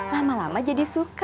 lama lama jadi suka